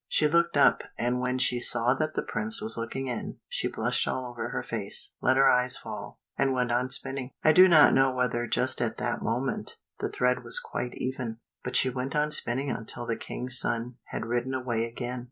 She looked up, and when she saw that the prince was looking in, she blushed all over her face, let her eyes fall, and went on spinning. I do not know whether, just at that moment, the thread was quite even; but she went on spinning until the King's son had ridden away again.